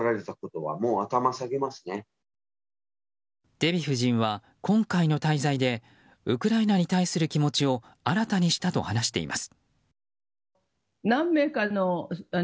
デヴィ夫人は今回の滞在でウクライナに対する気持ちを新たにしたと話しています。